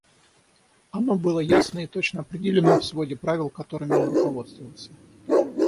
Оно было ясно и точно определено в своде правил, которыми он руководствовался.